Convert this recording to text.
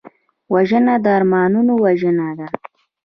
وژنه د ارمانونو وژنه ده